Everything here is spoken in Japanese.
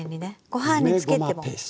ご飯につけてもはい。